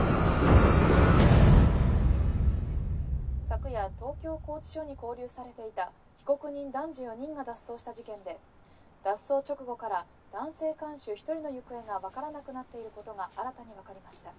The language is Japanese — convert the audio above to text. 昨夜東京拘置所にこう留されていた被告人男女４人が脱走した事件で脱走直後から男性看守１人の行方が分からなくなっていることが新たに分かりました。